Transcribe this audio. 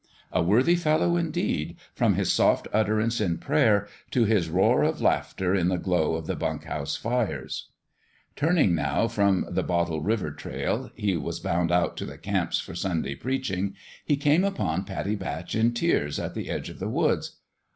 A worthy fellow, in deed, from his soft utterance in prayer to his roar of laughter in the glow of the bunk house fires ! Turning, now, from the Bottle River trail he A FATHER for The BABY 175 was bound out to the camps for Sunday preach ing he came upon Pattie Batch in tears at the edge of the woods.